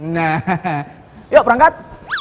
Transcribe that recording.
nah yuk berangkat